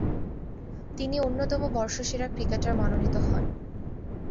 তিনি অন্যতম বর্ষসেরা ক্রিকেটার মনোনীত হন।